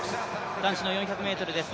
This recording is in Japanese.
男子４００ｍです。